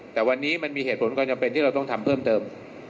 แต่วันนี้มันมีเหตุผลความจำเป็นที่เราต้องทำเพิ่มเติม